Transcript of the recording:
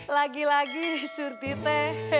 lagi lagi sur tite